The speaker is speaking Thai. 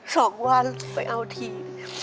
สองวันไปเอาที